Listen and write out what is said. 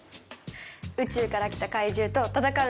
宇宙から来た怪獣と戦うんです。